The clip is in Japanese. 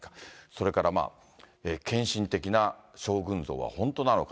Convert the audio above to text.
それから、献身的な将軍像は本当なのか。